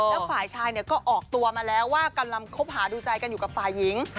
แล้วฝ่ายชายก็ออกตัวมาแล้วว่ากำลังคบหาดูใจกันอยู่กับฝ่ายหญิง